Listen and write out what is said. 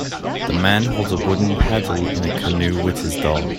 The man holds a wooden paddle in a canoe with his dog.